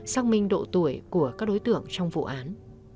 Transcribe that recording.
xác minh độ tuổi của các đối tượng trong vụ án